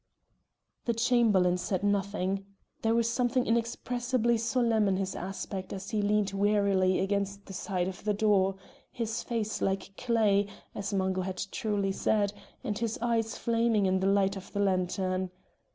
The Chamberlain said nothing. There was something inexpressibly solemn in his aspect as he leaned wearily against the side of the door, his face like clay, as Mungo had truly said, and his eyes flaming in the light of the lantern.